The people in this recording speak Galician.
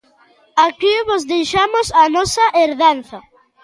Aquí vos deixamos a nosa herdanza.